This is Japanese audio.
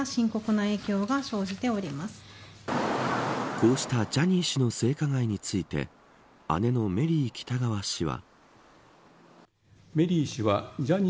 こうしたジャニー氏の性加害について姉のメリー喜多川氏は。